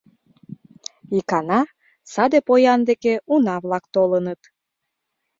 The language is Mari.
Икана саде поян деке уна-влак толыныт.